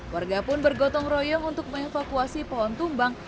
warga pun bergotong royong untuk mengevakuasi pohon tumbang